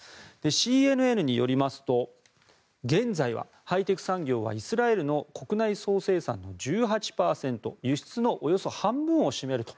ＣＮＮによりますと現在はハイテク産業はイスラエルの国内総生産の１８％輸出のおよそ半分を占めると。